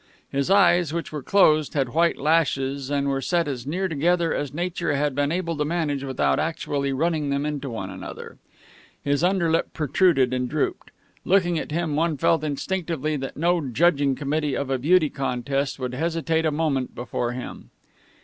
His eyes, which were closed, had white lashes and were set as near together as Nature had been able to manage without actually running them into one another. His underlip protruded and drooped. Looking at him, one felt instinctively that no judging committee of a beauty contest would hesitate a moment before him.